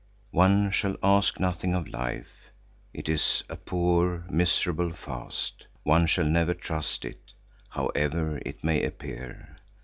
One shall ask nothing of life; it is a poor, miserable fast. One shall never trust it, however it may appear.